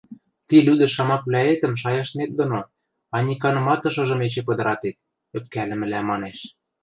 – Ти лӱдӹш шамаквлӓэтӹм шайыштмет доно Аниканымат ышыжым эче пыдыратет... – ӧпкӓлӹмӹлӓ манеш.